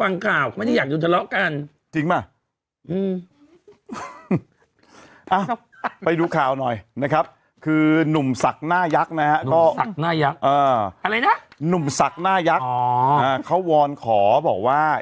ฟังกล่าวมันอยากดูดละกันจริงไม่เอาไปดูข่าวหน่อยนะครับคือนุ่มสักหน้ายักษ์นะก็หนั้ยยังอะไรนะหนูสักหน้ายักษ์เขาวอนขอบอกว่า